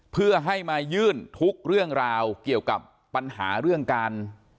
เพื่อให้มายื่นทุกเรื่องราวเกี่ยวกับปัญหาเรื่องการ